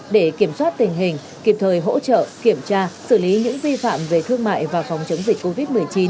để kiểm soát tình hình kịp thời hỗ trợ kiểm tra xử lý những vi phạm về thương mại và phòng chống dịch covid một mươi chín